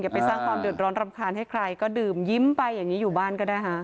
ไปสร้างความเดือดร้อนรำคาญให้ใครก็ดื่มยิ้มไปอย่างนี้อยู่บ้านก็ได้ฮะ